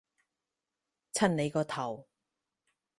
襯你個頭